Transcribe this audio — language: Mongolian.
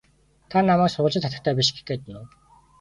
Та намайг сурвалжит хатагтай биш гэх гээд байна уу?